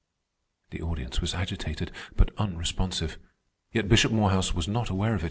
The audience was agitated, but unresponsive. Yet Bishop Morehouse was not aware of it.